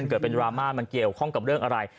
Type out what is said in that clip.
เกิดเป็นดราม่ามันเกี่ยวข้องกับเรื่องอะไร